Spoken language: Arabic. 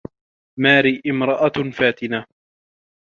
ماري امرأة فاتنة.